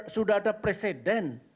sudah ada presiden